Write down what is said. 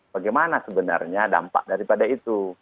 bagaimana sebenarnya dampak daripada itu